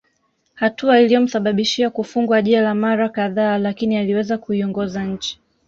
Hatua iliyomsababishia kufungwa jela mara kadhaa lakini aliweza kuiongoza nchi